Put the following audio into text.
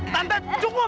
tanda tanda cukup